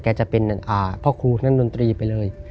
แกจะเป็นพ่อครูด้านดนตรีไปเลย